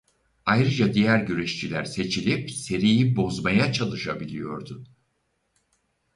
Ayrıca diğer güreşçiler seçilip seriyi bozmaya çalışılabiliyordu.